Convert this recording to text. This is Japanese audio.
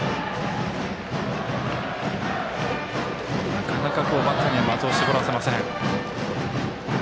なかなかバッテリー、的を絞らせません。